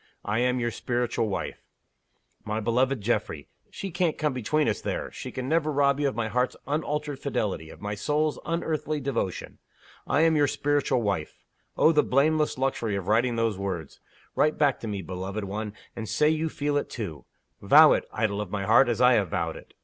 I am your Spiritual Wife. My beloved Geoffrey! she can't come between us, there she can never rob you of my heart's unalterable fidelity, of my soul's unearthly devotion. I am your Spiritual Wife! Oh, the blameless luxury of writing those words! Write back to me, beloved one, and say you feel it too. Vow it, idol of my heart, as I have vowed it.